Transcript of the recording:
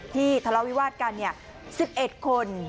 ทะเลาวิวาสกัน๑๑คน